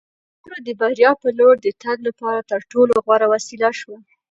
خاوره د بریا په لور د تګ لپاره تر ټولو غوره وسیله شوه.